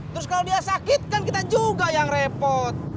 terus kalau dia sakit kan kita juga yang repot